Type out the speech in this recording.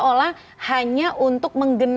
seolah hanya untuk menggenapi